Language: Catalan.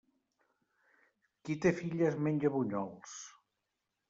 Qui té filles menja bunyols.